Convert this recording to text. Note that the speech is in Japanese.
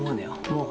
もう。